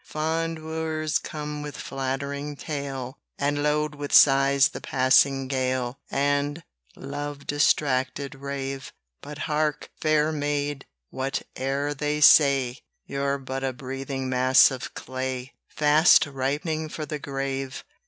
Fond wooers come with flattering tale, And load with sighs the passing gale, And love distracted rave: But hark, fair maid! whate'er they say, You're but a breathing mass of clay, Fast ripening for the grave.